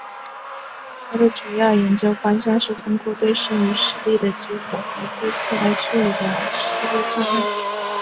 他的主要研究方向是通过对剩余视力的激活和恢复来治疗视力障碍。